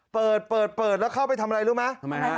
เปิดเปิดแล้วเข้าไปทำอะไรรู้ไหมทำไมฮะ